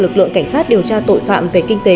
lực lượng cảnh sát điều tra tội phạm về kinh tế